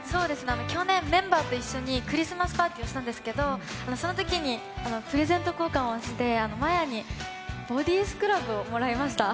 去年メンバーと一緒にクリスマスパーティーをしたんですけど、そのときにプレゼント交換をしてＭＡＹＡにクリスマスプレゼントをもらいました。